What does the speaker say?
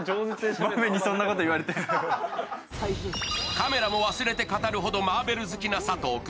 カメラも忘れて語るほどマーベル好きな佐藤君。